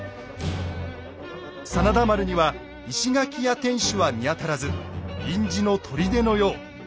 真田丸には石垣や天守は見当たらず臨時の砦のよう。